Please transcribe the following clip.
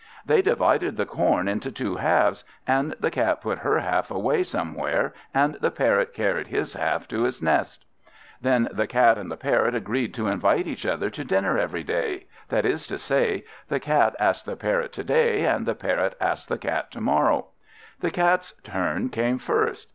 They divided the corn into two halves, and the Cat put her half away somewhere, and the Parrot carried his half to his nest. Then the Cat and the Parrot agreed to invite each other to dinner every day; that is to say, the Cat asks the Parrot to day, and the Parrot asks the Cat to morrow. The Cat's turn came first.